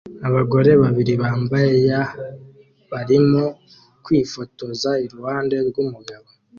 Abagore babiri bambaye ya barimo kwifotoza iruhande rwumugabo